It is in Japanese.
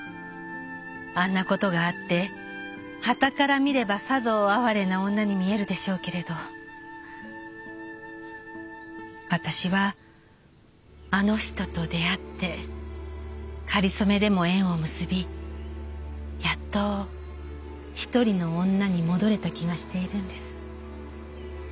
あんな事があってはたから見ればさぞ哀れな女に見えるでしょうけれど私はあの人と出会ってかりそめでも縁を結びやっと一人の女に戻れた気がしているんです。